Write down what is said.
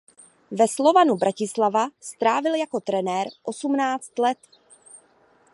Ve Slovanu Bratislava strávil jako trenér osmnáct let.